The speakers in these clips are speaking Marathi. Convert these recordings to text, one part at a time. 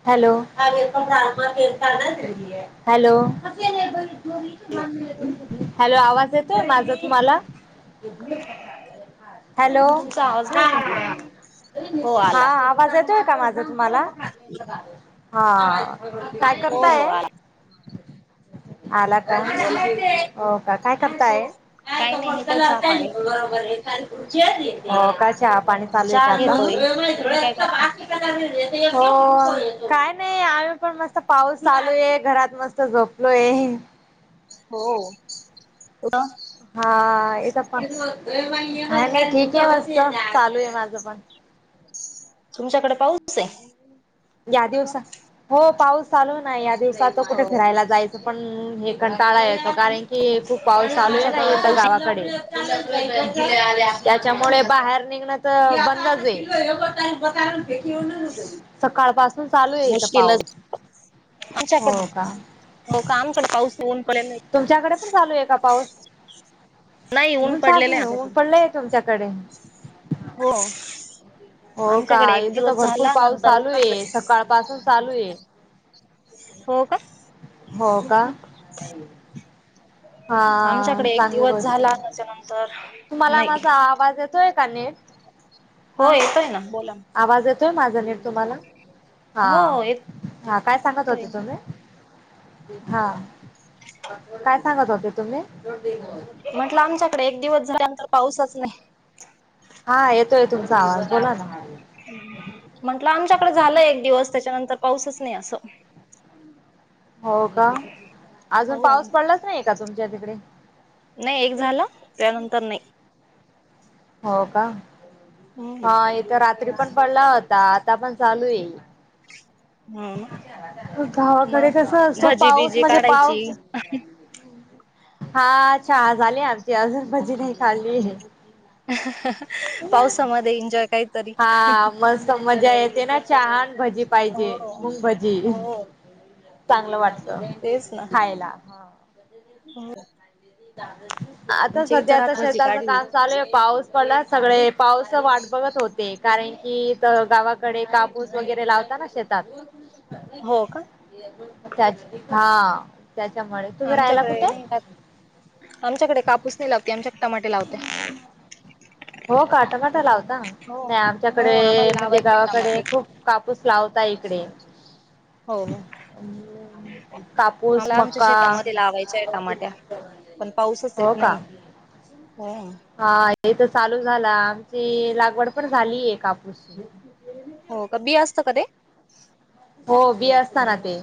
[unintelligible] हॅलो [unintelligible] हॅलो हॅलो हॅलो आवाज येतोय, माझा तुम्हाला? हॅलो, तुमचा आवाज नाही हा येत म्हटलं हो हा आला आवाज येत तो का माझा तुम्हाला? हा, काय हो हो करताय? आला आला का? बोला ओ काय काय करताय? काही नाही हे काय चहा पाणी हो काय चहा-पाणी चालू आहे चहा का घेतोय तुम्ही काय करता आता? हो. काय नाही, आम्ही पण मस्त पाऊस चालू आहे. घरात मस्त झोप होय. हो, तुला? हा. इथं पण, हाय मी ठीक आहे. मस्त चालू आहे माझं पण तुमच्याकडे, पाऊस आहे? या दिवसात, हो पाऊस चालू ना. या दिवसाचं कुठे हो फिरायला जायचं पण हे कंटाळा येतो कारण कि, खूप पाऊस चालू आहे ना आमच्याकडं इथं पाऊस गावाकडे त्याच्यामुळे बाहेर निघणं, तर बंदच आहे. सकाळ पास मुश्किलच. आमच्याकडे हो का लवकर आमच्याकडे पाऊस-ऊन पडत नाही. तुमच्याकडे पण चालू आहे का पाऊस? नाही ऊन पडलेलं आहे ऊन-सावली-ऊन, आमच्याकडे पडलंय का तुमच्याकडे? हो. हो का? आमच्याकडे एक इथं दिवस तर भरपूर झाला पाऊस नंतर चालू ऊनच आहे, सकाळ पासून चालू आहे. हो, का? हो, का? हा.. आमच्याकडे एक चांगली दिवस गोष्ट आहे. झाला त्याच्यानंतर तुम्हाला, नाही माझा आवाज येतोय का नीट? हो येतोय ना, बोला. देवू माझं नेट तुम्हाला? हो हा. येतोय हा, काय सांगत होते तुम्ही? हा, काय सांगत होते तुम्ही? म्हटलं आमच्याकडे एक दिवस झाल्यानंतर, पाऊसच नाही. हा येतोय तुमचा आवाज, बोला ना. म्हटलं आमच्याकडे झालंय एक दिवस, त्याच्यानंतर पाऊसच नाही असं हो का? अजून हो पाऊस पडलाच नाही का, तुमच्या तिकडे? नाही एक झाला, त्यानंतर नाही. हो का? हम्म हा यथं रात्री पण पडला होता, आता पण चालू आहे. हो ना गावाकडे मग कसं असतो, भजी पाऊस बिजी म्हणजे काढायची पाऊस हा.. चहा झाली आमची, अजून भजी नाही खाल्ली. पावसामध्ये एन्जॉय काही हा, मस्त मजा येते ना चहा न भजी पाहिजे. हो मुंग भजी, हो चांगलं वाटतं तेच ना खायला, हं. हो. आता आमच्या इथं सध्या रात तर भजी शेताच काढली काम चालू आहे पाऊस पडला सगळे पाऊस वाट बघत होते कारण की गावा कडे काबूस वगैरे लावता ना शेतात. हो का? हा त्याच्यामुळे तुम्ही राहायला आमच्याकडे कुठे? नाही राहत आमच्याकडे कापूस नाही लावते आमच्याक टमाटे लावते. हो का टमाटा लावता हो नाही हो आमच्याकडे आम्हाला म्हणजे लावायचे गावाकडे टमाटे खूप कापूस लाव ता इकडे हो. कापूस, मला आमच्या मका शेतामध्ये लावायचे टमाट्या. पण पाऊसच हो येत का? नाही हा हा हितं चालू झाला आमची लागवड पण झाली हे कापूस हो का बी असत का ते? हो बी असताना ते.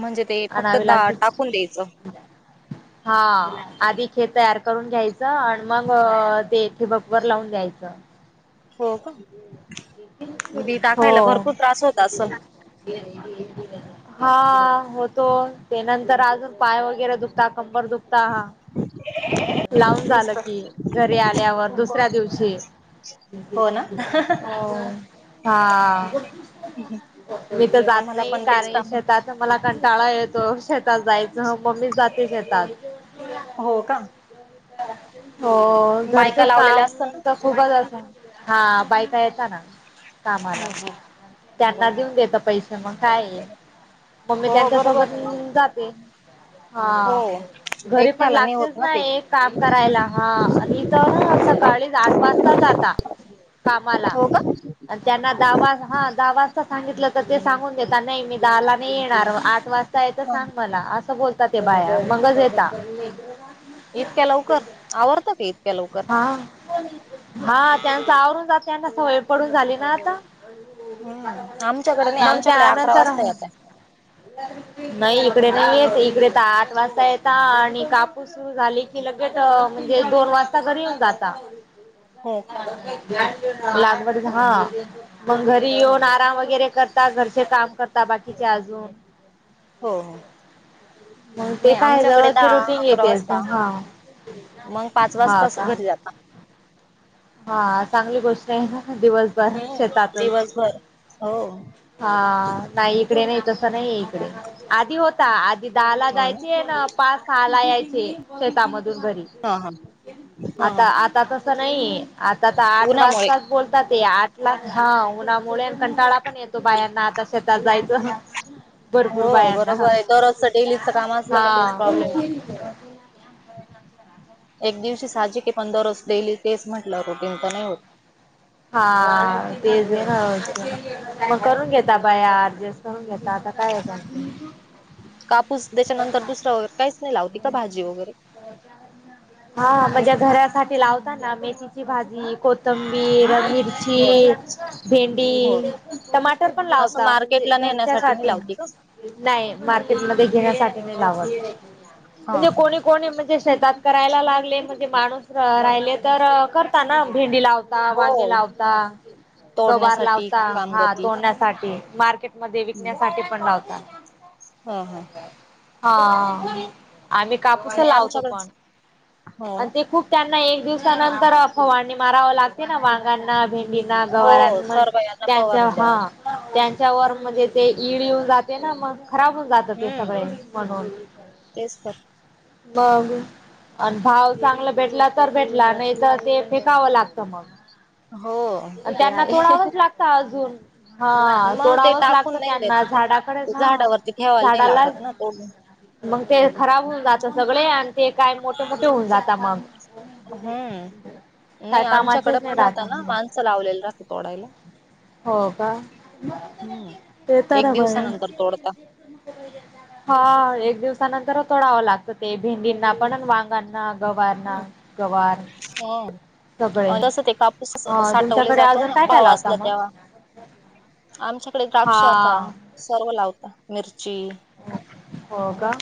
म्हणजे ते फक्त आणावे दा लागते. टाकून द्यायचं. हा आधी खेत तयार करून घ्यायचं आणि मग तेथे बबकर लावून द्याय चं. हो का? बी [unintelligible] हो टाकायला भरपूर त्रास होत असं. हा होतो ते नंतर आजून पाय वगैरे दुखता कंबर दुखता हा. लावून तेच झालं तर. कि घरी आल्यावर दुसऱ्या दिवशी हो ना? हो हा. मी तर जात आम्हाला नाही पण तेच कारण काम शेताच मला कंटाळा ये तो शेतात जायच मम्मी जाते शेतात. हो का? हो घरचचं बायका लावलेल्या काम असतात ना. त खूपच अस हा बायका यायच्या ना कामाला. हम्म त्यांना हम्म. देऊन देत पैसे मग काय मग ममी हो त्यांच्या बरोबर सोबत आहे ना. जाते. हो हा. घरी पण एकट्याला नाही होत लागतेच ना ते. एक काम करायला हा आणि तर सकाळी आठ वाजता जाता कामाला हो का? आण त्यांना दावा हा दहा वाजता सांगितलं तर ते सांगून देता नाही मी दहाला नाही येणार आ ठ वाजता येत सांग मला असं बोलता ते बाहेर मगच येता. इतक्या लवकर आवरत की इतक्या लवकर? हा हा त्यांच आवरून जाते त्यांना सवय पडून झाली ना आता. हम्म. आमच्याकडे नाही मग आमच्याकडे अकरा त्यानंतर. वाजता येताय. नाही इकडे. नाही येत इकडे तर आठ वाजता येत आणि कापूस झाली की लगेच म्हणजे दोन वाजता. घरी येऊन जाता, हो लागड हा. मग घरी का? येऊन आराम वगैरे करता घरचे काम करता बाकीचे अजून. हो हो. मग ते नाही काय आमच्याकडे दररोजचे दहा रुटीन अकरा येतेच वाजता हा मग पाच हा वाजता. का घरी जाता. हा चांगली गोष्ट आहे ना. दिवसभर हम्म शेतातच दिवसभर हो हा नाही इकडे नाही तर. नाही इकडे आधी होता आधी दहाला जायचे आहे ना. पाच सहाला यायचे शेतामधून घरी हा हा हा हा आता आता त. नाही आता आठ उन्हामुळे वाजताच बोलतात ते आठ ला ह उन्हामुळे कंटाळा. पण येतो बायाना तश जायचं. हो भरपूर बायांना हा बरोबर आहे दररोजच डेलीच काम असलं का तेच हा. प्रॉब्लेम आहे [unintelligible] एक दिवशी साजे क पंन दररोज डेली तेच म्हंटलं रुटीन तर नाही होत. हा तेच आहे मग करून घेता बायास् ऍडजस्ट. करून घेतला आता काय आहे. कापूस त्याच्यानंतर दुसरं वगैरे काहीच नाही लावती का भाजी वगैरे. हा म्हणजे घरासाठी लावताना मेथीची भाजी कोथंबीर हो मिरची हो भेंडी टमाटर पण असं लावता म्हणजे मार्केटला घरच्या नेण्यासाठी मी संसाठी. लावती का नाही मार्केट मधे घेण्यासाठी नाही लावात हा म्हणजे हा कोणी कोणी म्हणजे, शेतात करायला लागले म्हणजे माणूस राहिले तर करता ना भेंडी लावता हो वांगी, लावता गावार तोडण्यासाठी लावता हा कामगती तोडण्यासाठी मार्केट मग ते विकण्यासाठी पण लावतात. हा हा. हा आम्ही कापूस नाही लावतो आमच्याकडे पण हो ना आणि ते खूप त्या एक दिवसानंतर फवारणी माराव लागते ना वांगांना भेंडीना. मीना गवार हो खत सर्व यांना त्यांच्या फवारणी हा द्यावा त्यां, त्याच्या गवार म्हणजे ते ईडी जाते ना मग. खराब होऊन जात ते हम्म सगळे म्हणून. तेच तर बघ आणि भाव चांगला भेटला तर भेटला नाही तर ते फेकावं लागत मग. हो ते त्यांना आहे तोडावाच लागत अजून. हा मग ते थोडावच टाकून लागत नाही त्यांना देत. झाडाकडे ते ना झाडावरती ठेवायला नाही झाडाला. लागत ना तोडून मग ते खराब होऊन जात सगळे आण ते काय मोठे मोठे होऊन जातात मग हम्म काय नाही आमच्याकडे कामाचेच नाही पण राहत. राहता ना माणसं लावलेला रहाते तोडायला. हो का हम्म ते एक तर बाय. दिवसानंतर तोडता हा एक दिवसानंतर तोडावं लागतं ते भेंडींना पण वांगांना ना गवार. ह सगळे जसं ते कापूस ह साठवले तुमच्याकडे जातो अजून ना काय काय भाव लावता असला मग तेव्हा. आमच्याकडे द्राक्ष आता हा सर्व लावता मिरची, हो का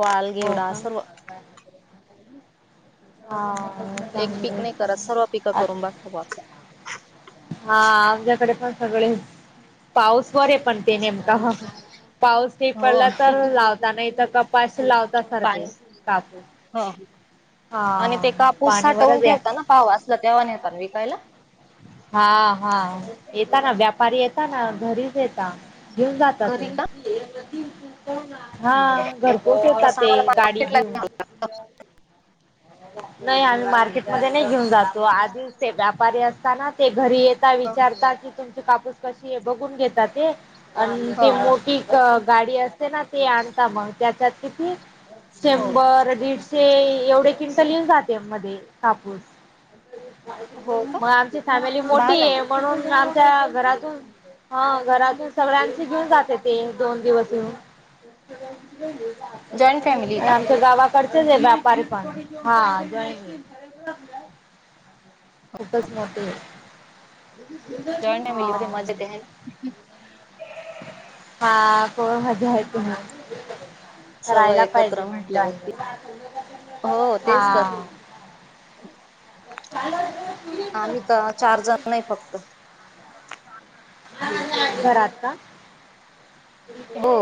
वाल हो घेवडा का सर्व. हा. एक चांगली पीक नाही गोष्ट करत सर्व पिकं आहे. आ करून बसता बुआ असं. हा आमच्याकडे पण सगळे पाऊस वार आहे पण ते नेमका हा. पाऊस नि हो पडला तर लावता नाही तर कपाशी लावता सारखे पाणी कापू. हो आणि ते कापूस साठवून आहे ठेवताात ना भाऊ असलं तेव्हा नेवता विकायला. हा हा येता का, व्यापारी येता का घरीच येता? घेऊन जातात. [inaudible] घरी का हा हम्म. घरपोच येताात तसं ते, आम्हाला गाडी मार्केटला घेऊन. नाही, आम्ही मार्केट मध्ये नाही, घेऊन जात. तो आधी ते व्यापारी असता ना, ते घरी येता विचारता कि तुमची कापूस कशीय? बघून घेतात ते, आणि हो ते मोठी अ गाडी असते ना, ते आणता मग, त्याच्यात किती हो हो शंभर, दीडशे. एवढे किंटल येउ जाते म्हणे, कापूस. हो का मग आमच फॅमिली बाहा मोठी ना आहे म्हणून. घरातून, हा घरातून सगळ्यांशी घेऊन जाते ते, दोन दिवस येऊन. मग जॉईंट फॅमिली आणि का आमच्या गावाकड [inaudible] व्यापारी पा हा [inaudible] खूपच जॉईंट [unintelligible] हा. फॅमिली मध्ये मजा येते आहे ना हा. [inaudible] सर्व राहिला एकत्र पाहिजे मग, म्हटल्यावरती जायला. हो हा. तेच तर काय [unintelligible] आामी त, चार जात नाही फक्त. घरात का? हो.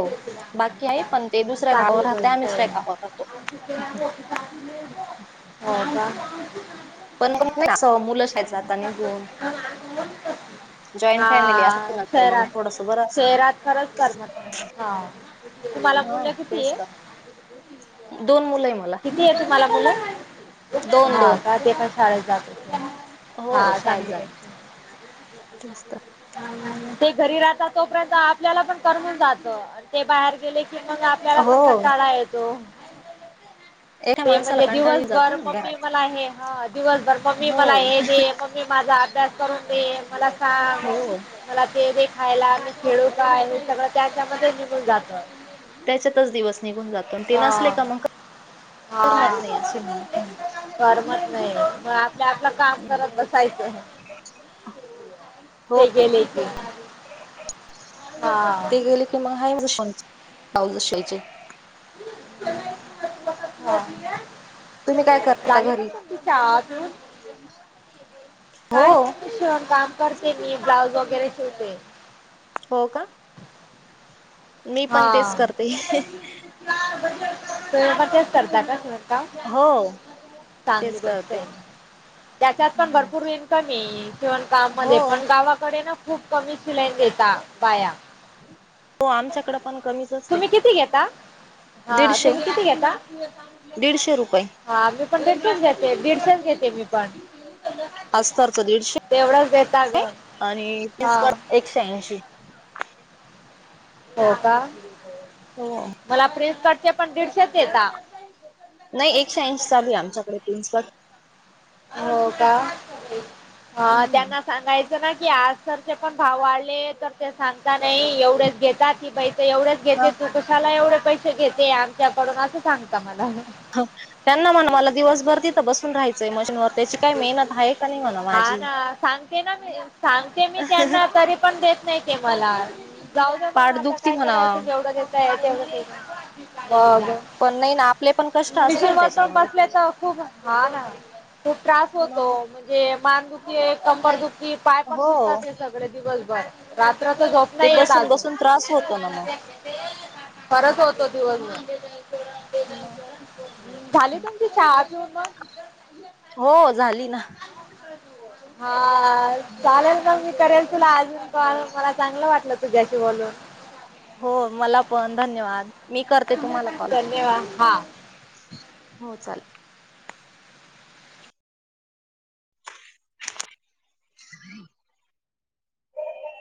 बाकी आहे, पण ते दुसऱ्या गावावर चांगली राहतात. आणि गोष्ट आम्ही आहे दुसऱ्या गावावर राहतो. [inaudible] हो का? पण मग [unintelligible] मुलं शाळेत जातात. निघून. जॉईंट फॅमिली असच. हा नंतर मग शहरात थोडस बरं असतं. शहरात खरंच हा. मग तुम्हाला हा मुलं किती तेच आहेत? तर दोन मुलं आहे मला. [inaudible] हा दोन दोन काय त शाळेत जातो हो हा शाळेत चांगली जात त्यांची तेच तर [inaudible] ते घरी राहतात तोपर्यंत आपल्याला पण करमून जात, आनी ते बाहेर गेले की मग आपल्याला पण हो कंटाळा येतो. एका ते माणसाला म्हणजे कंटाळी जातो दिवसभर ना ममी घरात मला हे ह दिवसभर. मम्मी हो मला हे दे, मम्मी माझा अभ्यास करून दे, मला का हो रात्री खायला, खेळू काय सगळं त्याच्यामध्ये निघून जात. त्याच्यातच दिवस निघून जातो. ते हा नसले का मग हा. करमत नाही असे करमत नाहीे. मग आपल्या आपलं काम करत बसायचं. हो ते गेले की. हा ते गेले की मग, आहे [unintelligible] ब्लाउज शिवायची. हो. [inaudible] करता झाली. म घरी तुमची [unintelligible] हो काय नाही मी शिवण काम करते, मी ब्लाऊज वगैरे शिवते. हो का. मी पण तेच हा. करते मग तेच करता का? दिवस का, हो चांगली तेच गोष्ट करते आहे. त्याच्यात पण भरपूर इनकम आहे. शिवणकाम हो मध्ये, पण गावाकडे ना. खूप कमी शिलाई देता, बाया. हो आमच्याकडे पण कमीच असते. तुम्ही किती घेता हा दीडशे तुम्ही किती घेता? दीडशे रुपये हा पण घेते दीडशेच घेते, मी पण. अस्तरच दीडशे तेवढच देता ग आणि हा तीस पर एकशे ऐंशी. हो का हो मला प्रिनसकटचे पण दीडशेच देता नाही एकशे ऐंशी चालू आहे आमच्याकडे प्रिन्स कट हो का हा त्यांना सांगायचं की आज सरचे पण भाव वाढले तर ते सांगता नाही एवढेच घेत ती एवढेच हा घेते न कुशाला एवढे पैसे घेते आमच्याकडून असं सांगत त्यांना म्हण मला दिवसभर तिथं बसून राहायचंय मशीनवर त्याची काय मेहनत आहे का नाही म्हणा हा माझी. ना सांगते ना मी सांगते मी त्यांना तरी पण देत नाही ते मला जाऊ द मग पाठ आता दुखती काय म्हणा करायचं जेवढं देता येते देतात तेवढे घ्यायचं हो पण नाही ना आपले पण कष्ट असतात मिशन ना मट पण त्याच्यामध्ये. बसले तर खूप हा ना खूप त्रास होतो मग म्हणजे मान दुखी कंबर दुखी कि पाय पण हो दुखतात सगळे दिवसभर रात्री तर झोप येत नाही अजून कस होत ना मग परत होतो दिवस मग झालेणची श होम हो झाली ना हा चालेल कां मी करेल तुला आजच पाहिलं मला चांगलं वाटलं तुझ्याशी बोलूंन. हो, मला पणं धन्यवाद. मी करतें तुम्हांला कॉल. धन्यवाद हा हो चालेल. ह [unintelligible]